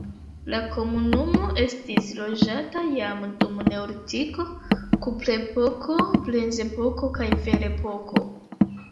La komunumo estis loĝata jam dum neolitiko, kuprepoko, bronzepoko kaj ferepoko.